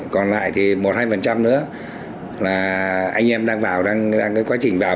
còn lại thì một hai nữa là anh em đang vào đang có quá trình vào